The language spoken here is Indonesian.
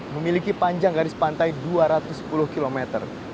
memiliki panjang garis pantai dua ratus sepuluh kilometer